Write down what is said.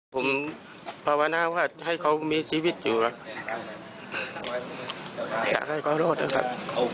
ผมภาวนาว่าให้เขามีชีวิตอยู่ครับอยากให้เขารอดนะครับ